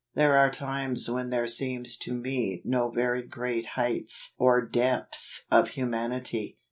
There are times when there seems to me no very great heights or depths of humanity.